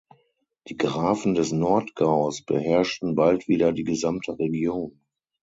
Die Grafen des Nordgaus beherrschten bald wieder die gesamte Region.